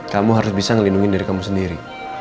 kamu harus bisa melindungi diri kamu sendiri